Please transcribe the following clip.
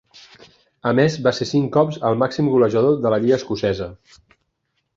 A més va ser cinc cops el màxim golejador de la lliga escocesa.